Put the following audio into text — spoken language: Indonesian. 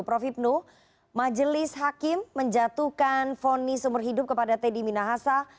prof hipnu majelis hakim menjatuhkan foni seumur hidup kepada teddy minahasa